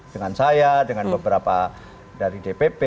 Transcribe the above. dengan saya dengan beberapa dari dpp